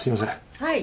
はい。